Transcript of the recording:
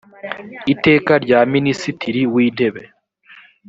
iteka rya minisitiri w intebe